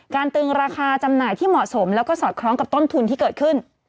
ตึงราคาจำหน่ายที่เหมาะสมแล้วก็สอดคล้องกับต้นทุนที่เกิดขึ้น